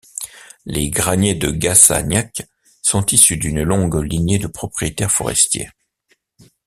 Les Granier de Gassagnac sont issus d'une longue lignée de propriétaires forestiers.